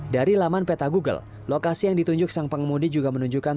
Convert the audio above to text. dari laman peta google lokasi yang ditunjuk sang pengemudi juga menunjukkan